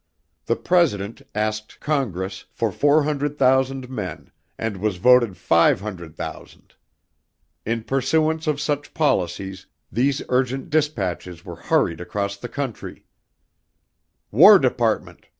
The President asked Congress for four hundred thousand men and was voted five hundred thousand. In pursuance of such policies, these urgent dispatches were hurried across the country: War Department.